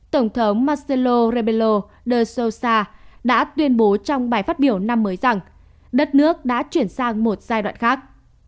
thống marcelo rebelo de sousa đã tuyên bố trong bài phát biểu năm mới rằng đất nước đã chuyển sang một giai đoạn khác